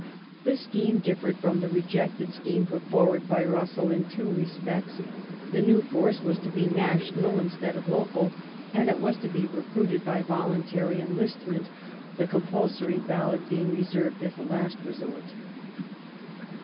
The scheme differed from the rejected scheme put forward by Russell in two respects : the new force was to be national instead of local, and it was to be recruited by voluntary enlistment, the compulsory ballot being reserved as a last resort.